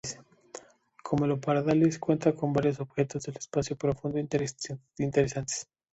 Camelopardalis cuenta con varios objetos del espacio profundo interesantes.